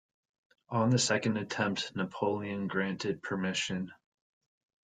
On the second attempt, Napoleon granted permission.